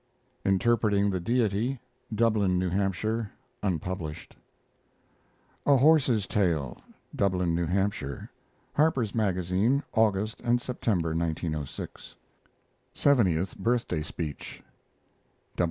INTERPRETING THE DEITY (Dublin New Hampshire) (unpublished). A HORSE'S TALE (Dublin, New Hampshire) Harper's Magazine, August and September, 1906. Seventieth Birthday speech.